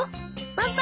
パパ。